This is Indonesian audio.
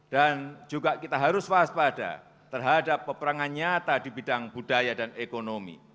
dan juga kita harus waspada terhadap peperangan nyata di bidang budaya dan ekonomi